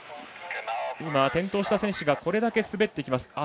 転倒した選手がこれだけ滑っていきます。